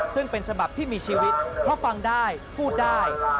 ซึ่งเป็นฉบับที่มีชีวิตเพราะฟังได้พูดได้